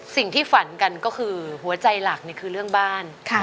สิ่งที่ฝันกันก็คือหัวใจหลักคือเรื่องบ้าน